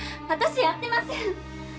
私やってません！